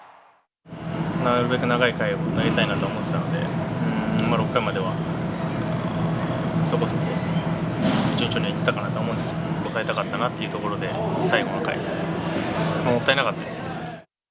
なるべく長い回を投げたいなと思ってたので、６回まではそこそこ順調にいったかなと思うんですけど、抑えたかったなというところで、最後の回、もったいなかったですね。